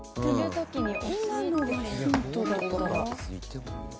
今のがヒントだったら。